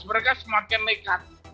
mereka semakin nekat